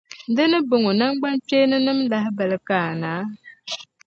Di ni bɔŋɔ, namgbankpeeni nim’ la lahibali ka a na?